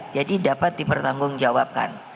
jadi dapat dipertanggung jawabkan